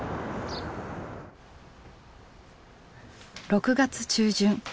６月中旬。